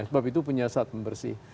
sebab itu punya sat pembersih